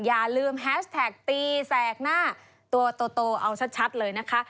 อย่าลืมแฮชแท็กตีแสกหน้าตัวโตเอาชัดเลยนะคะ